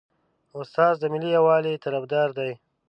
استاد د ملي یووالي طرفدار دی.